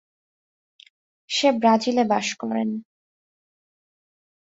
সে ব্রাজিলে বাস করেন।